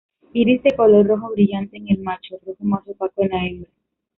Iris de color rojo brillante en el macho, rojo más opaco en la hembra.